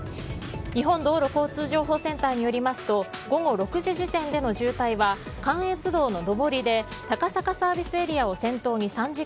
日本道路交通情報センターによりますと午後６時時点での渋滞は関越道の上りで高坂ＳＡを先頭に３０ｋｍ